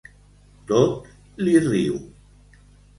Tot li riu.